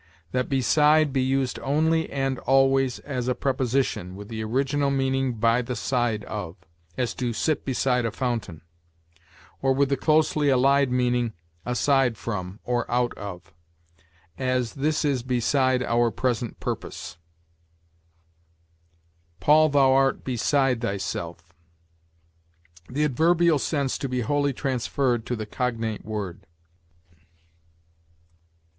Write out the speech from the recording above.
That beside be used only and always as a preposition, with the original meaning by the side of; as, to sit beside a fountain; or with the closely allied meaning aside from, or out of; as, this is beside our present purpose: 'Paul, thou art beside thyself.' The adverbial sense to be wholly transferred to the cognate word.